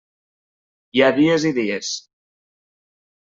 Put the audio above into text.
Hi ha dies i dies.